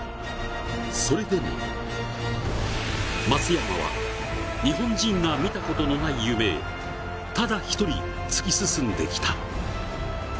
それでも松山は日本人が見たことのない夢へただ一人、突き進んできた。